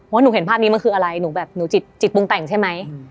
หนูเห็นภาพนี้มันคืออะไรหนูแบบหนูจิตปรุงแต่งใช่ไหม